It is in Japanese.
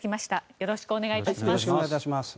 よろしくお願いします。